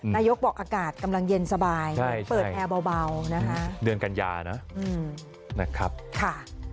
นายกบอกอากาศกำลังเย็นสบายใช่ใช่เปิดแอร์เบาเบานะฮะเดือนกันยานะอืมนะครับค่ะ